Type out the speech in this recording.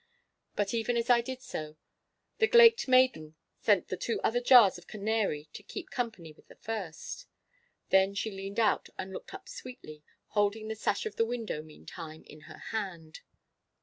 But even as I did so, the glaiked maiden sent the other two jars of Canary to keep company with the first. Then she leaned out and looked up sweetly, holding the sash of the window meantime in her hand.